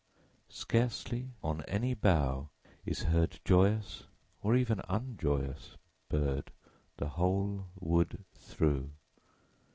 Scarcely on any bough is heard Joyous, or even unjoyous, bird 5 The whole wood through.